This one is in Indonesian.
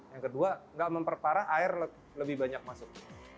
yang kedua nggak memperparah air lebih banyak masuk